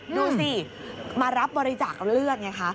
ดูสิมารับบริจาคเอาเลือดไงคะ